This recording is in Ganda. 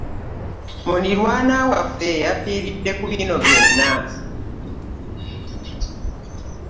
Mulirwana waffe yavirideko bino byona.